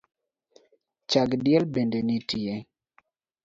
Chag diel bende nitie?